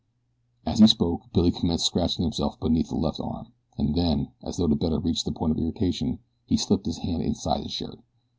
As he spoke Billy commenced scratching himself beneath the left arm, and then, as though to better reach the point of irritation, he slipped his hand inside his shirt.